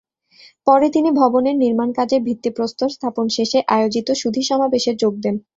পরে তিনি ভবনের নির্মাণকাজের ভিত্তিপ্রস্তর স্থাপন শেষে আয়োজিত সুধীসমাবেশে যোগ দেন।